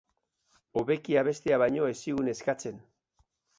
Hobeki abestea baino ez zigun eskatzen.